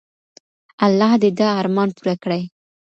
الله دې دا ارمان پوره کړي.